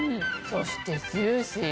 そしてジューシー。